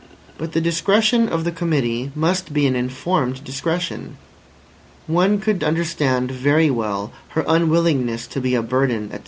But the discretion of the Committee must be an informed discretion. One could understand very well her unwillingness to be a burden, etc.